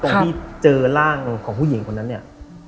ตรงที่เจอร่างของผู้หญิงคนนั้นเนี่ย